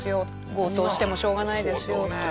「強盗してもしょうがないですよ」と。